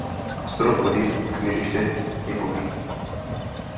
Strop lodi a kněžiště je plochý.